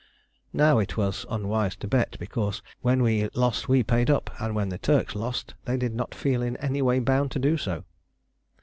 Now it was unwise to bet, because when we lost we paid up, and when the Turks lost they did not feel in any way bound to do so.